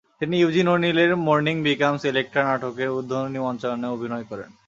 তিনি ইউজিন ওনিলের mourning becomes Electra নাটকের উদ্বোধনী মঞ্চায়নে অভিনয় করেন।